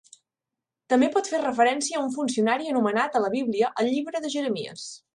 També pot fer referència a un funcionari anomenat a la Bíblia al Llibre de Jeremies.